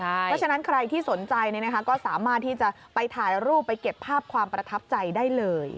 เพราะฉะนั้นใครที่สนใจก็สามารถที่จะไปถ่ายรูปไปเก็บภาพความประทับใจได้เลย